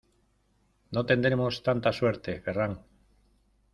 ¡No tendremos tanta suerte, Ferran!